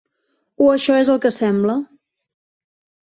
O això és el que sembla.